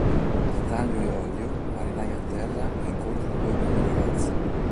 Stanlio e Ollio, marinai a terra, incontrano due belle ragazze.